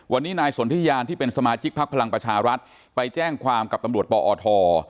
วันนี้นายสนทิยานที่เป็นสมาชิกพักพลังประชารัฐไปแจ้งความกับตำรวจปอท